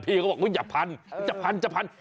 พี่ก็บอกอย่าพันจะพันจะพัน